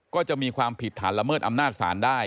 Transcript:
ก็จะมีความผิดฐานละเมิดอำนาจศาลได้